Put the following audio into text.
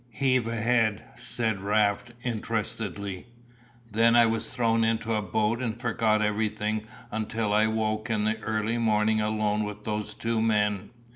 "Heave ahead," said Raft interestedly. "Then I was thrown into a boat and forgot everything until I woke in the early morning alone with those two men.